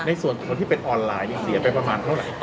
ในส่วนของคนที่เป็นออนไลน์เสียไปประมาณเท่าไหร่